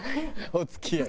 「お付き合い」。